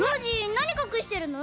なにかくしてるの？